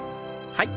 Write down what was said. はい。